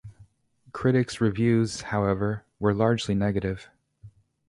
Critics reviews, however, were largely negative.